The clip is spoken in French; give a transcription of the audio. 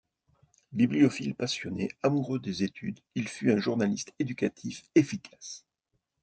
Bibliophile passionné, amoureux des études, il fut un journaliste éducatif efficace.